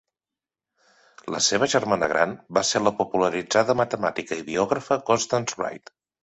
La seva germana gran va ser la popularitzada matemàtica i biògrafa Constance Reid.